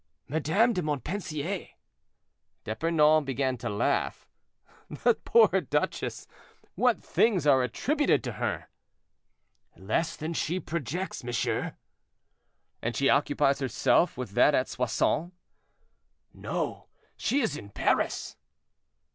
"Madame de Montpensier." D'Epernon began to laugh. "That poor duchess; what things are attributed to her!" "Less than she projects, monsieur." "And she occupies herself with that at Soissons?" "No; she is in Paris."